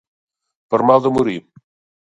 Per mal de morir.